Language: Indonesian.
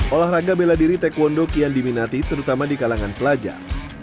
olahraga bela diri taekwondo kian diminati terutama di kalangan pelajar